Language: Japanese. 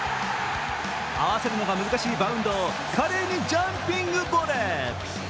合わせるのが難しいバウンドを華麗にジャンピングボレー。